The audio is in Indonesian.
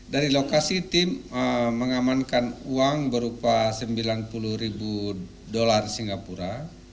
dari lokasi tim mengamankan uang berupa sembilan puluh ribu dolar singapura